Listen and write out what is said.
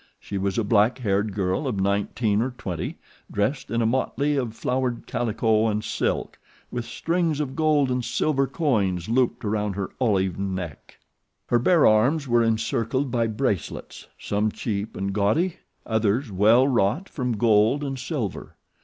She was a black haired girl of nineteen or twenty, dressed in a motley of flowered calico and silk, with strings of gold and silver coins looped around her olive neck. Her bare arms were encircled by bracelets some cheap and gaudy, others well wrought from gold and silver.